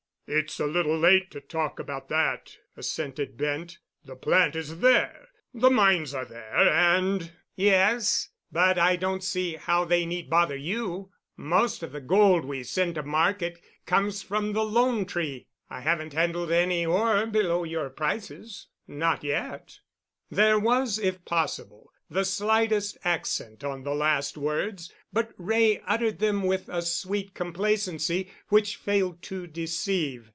"It's a little late to talk about that," assented Bent. "The plant is there, the mines are there, and——" "Yes. But I don't see how they need bother you. Most of the gold we send to market comes from the 'Lone Tree.' I haven't handled any ore below your prices—not yet." There was, if possible, the slightest accent on the last words, but Wray uttered them with a sweet complacency which failed to deceive.